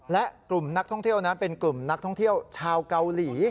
และกลุ่มนักท่องเที่ยวนั้นเป็นกลุ่มนักท่องเที่ยวชาวเกาหลี